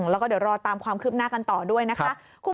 แล้วก็เดี๋ยวรอตามความคืบหน้ากันต่อด้วยนะคะ